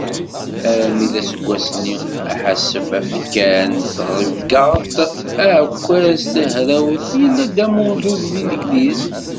Armi d taseggas-nni, aḥasef afekkan s tɣeggaḍt, aεekkaz, tahrawt, yella d amurdu deg Legliz.